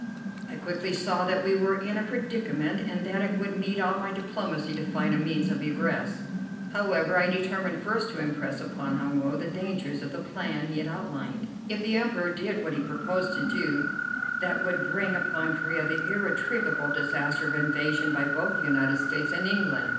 I quickly saw that we were in a predicament, and that it would need all my diplomacy to find a means of egress. However, I determined first to impress upon Hun Woe the dangers of the plan he had outlined. If the Emperor did what he proposed to do, that would bring upon Corea the irretrievable disaster of invasion by both the United States and England.